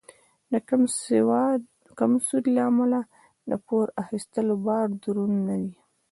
د کم سود له امله د پور اخیستلو بار دروند نه وي.